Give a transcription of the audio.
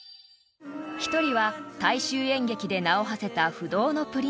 ［１人は大衆演劇で名をはせた不動のプリンス］